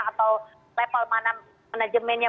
atau level mana manajemennya